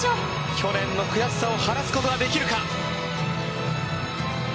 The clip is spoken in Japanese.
去年の悔しさを晴らすことはできるか。